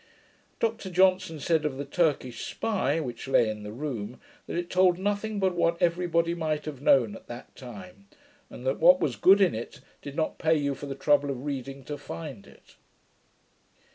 Dr Johnson said of the Turkish Spy, which lay in the room, that it told nothing but what every body might have known at that time; and that what was good in it, did not pay you for the trouble of reading to find it.